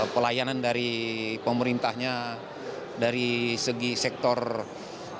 pelayanan dari pemerintahnya dari segi sektor keuangan